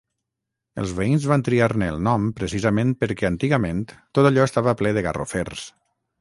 Els veïns van triar-ne el nom precisament perquè antigament tot allò estava ple de garrofers.